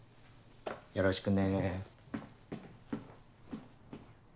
よろしくね。